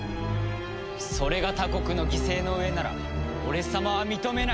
それが他国の犠牲の上なら俺様は認めない！